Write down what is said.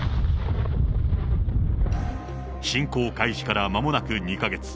侵攻開始から間もなく２か月。